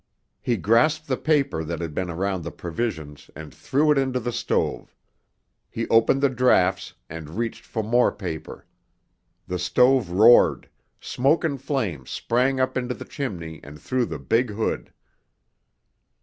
He grasped the paper that had been around the provisions and threw it into the stove. He opened the drafts, and reached for more paper. The stove roared—smoke and flame sprang up into the chimney and through the big hood.